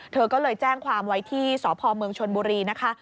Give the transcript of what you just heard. เธอก็เลยแจ้งความไว้ที่สพเมืองชนบุรีนะคะ